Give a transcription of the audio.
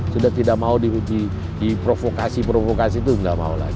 sudah tidak mau diprovokasi provokasi itu tidak mau lagi